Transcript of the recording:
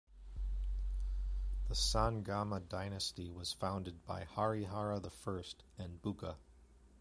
The Sangama Dynasty was founded by Harihara the First and Bukka.